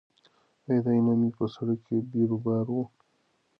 ایا د عینومېنې په سړک کې بیروبار و؟